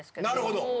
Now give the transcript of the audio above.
なるほど。